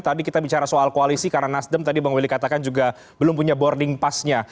tadi kita bicara soal koalisi karena nasdem tadi bang willy katakan juga belum punya boarding passnya